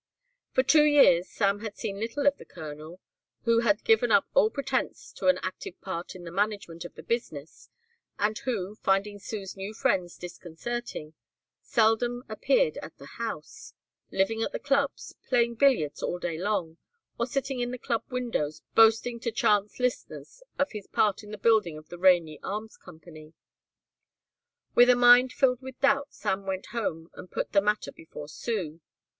For two years Sam had seen little of the colonel, who had given up all pretence to an active part in the management of the business and who, finding Sue's new friends disconcerting, seldom appeared at the house, living at the clubs, playing billiards all day long, or sitting in the club windows boasting to chance listeners of his part in the building of the Rainey Arms Company. With a mind filled with doubt Sam went home and put the matter before Sue.